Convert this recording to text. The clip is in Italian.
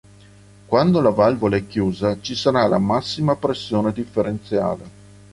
Quando la valvola è chiusa ci sarà la massima pressione differenziale.